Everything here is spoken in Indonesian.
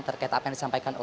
terkait apa yang disampaikan